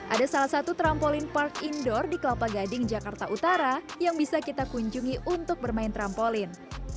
ada salah satu trampolin park indoor di kelapa gading jakarta utara yang bisa kita kunjungi untuk bermain trampolin